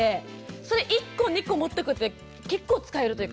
それ１個２個持っとくと結構使えるというか。